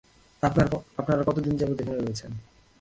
আপনারা কতদিন যাবৎ এখানে রয়েছেন?